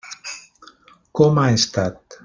Com ha estat?